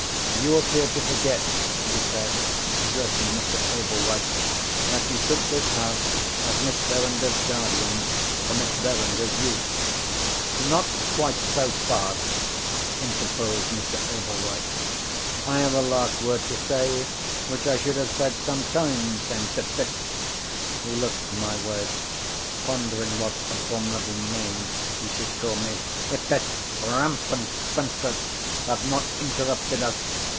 "You appear to forget," he said, addressing Mr. Ablewhite, "that you took this house as Miss Verinder's guardian, for Miss Verinder's use." "Not quite so fast," interposed Mr. Ablewhite. "I have a last word to say, which I should have said some time since, if this——" He looked my way, pondering what abominable name he should call me—"if this Rampant Spinster had not interrupted us.